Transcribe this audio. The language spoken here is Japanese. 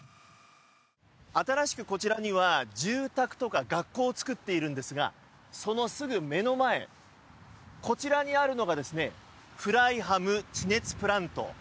新しくこちらには住宅とか学校を造っているんですがそのすぐ目の前こちらにあるのがフライハム地熱プラント。